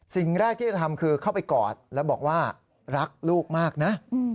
สิ่งแรกที่จะทำคือเข้าไปกอดแล้วบอกว่ารักลูกมากนะ